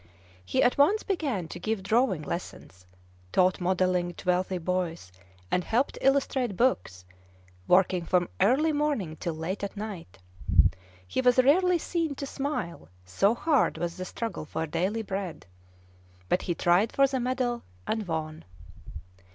He at once began to give drawing lessons, taught modelling to wealthy boys, and helped illustrate books, working from early morning till late at night. He was rarely seen to smile, so hard was the struggle for daily bread. But he tried for the medal, and won.